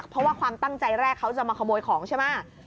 เพราะว่าความตั้งใจแรกเขาจะมาขโมยของใช่ไหม